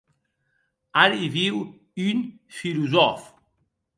Ara i viu un filosòf.